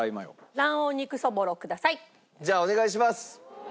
じゃあお願いします。